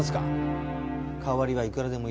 代わりはいくらでもいるんで。